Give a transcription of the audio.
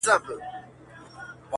شپه د کال او د پېړۍ په څېر اوږده وای-